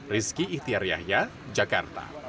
rizky itiar yahya jakarta